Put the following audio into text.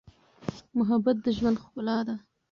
محبت د ژوند ښکلا ده.